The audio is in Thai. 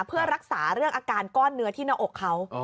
เพื่อรักษาเรื่องอาการก้อนเนื้อที่หน้าอกเขา